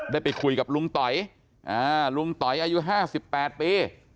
ได้ไปคุยกับลุงต๋อยลุงต๋อยอายุ๕๘ปี